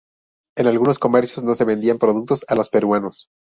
En algunos comercios no se vendían productos a los peruanos.